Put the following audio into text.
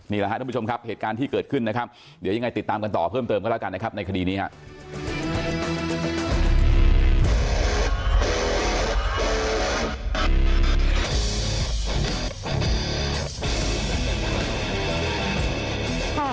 นี่แหละครับทุกผู้ชมครับเหตุการณ์ที่เกิดขึ้นนะครับเดี๋ยวยังไงติดตามกันต่อเพิ่มเติมกันแล้วกันนะครับในคดีนี้ครับ